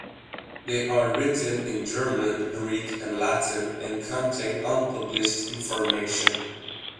They are written in German, Greek, and Latin and contain unpublished information.